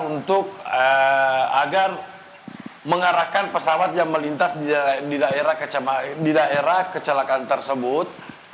untuk agar mengarahkan pesawat yang melintas di daerah kecelakaan tersebut